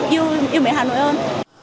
yêu mẹ hà nội hơn